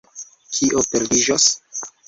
Kio perdiĝos?